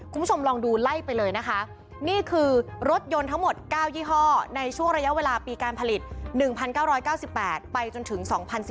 คุณผู้ชมลองดูไล่ไปเลยนะคะนี่คือรถยนต์ทั้งหมด๙ยี่ห้อในช่วงระยะเวลาปีการผลิต๑๙๙๘ไปจนถึง๒๐๑๘